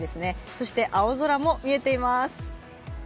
そして青空も見えています。